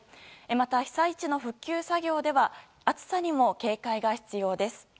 また、被災地の復旧作業では暑さにも警戒が必要です。